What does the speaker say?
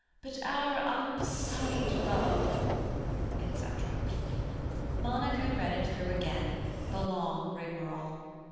But our unsullied love"—etc. Monica read it through again, the long rigmarole.